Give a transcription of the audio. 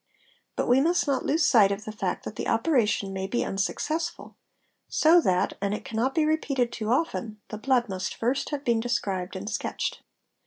~ But we must not lose sight of the fact that the operation may be un | successful, so that, and it cannot be repeated too often, the blood must —| first have been described and sketched.